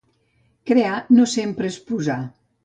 Crear no sempre és posar.